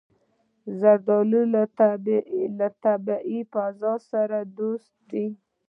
زردالو له طبیعي فضا سره دوست دی.